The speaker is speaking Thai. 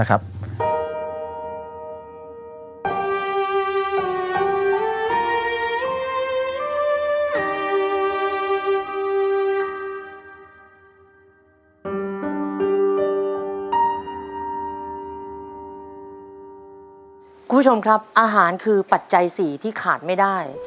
คุณผู้ชมครับอาหารคือปัจจัย๔ที่ขาดไม่ได้